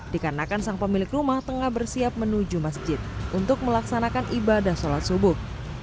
dikarenakan sang pemilik rumah tengah bersiap menuju masjid untuk melaksanakan ibadah sholat subuh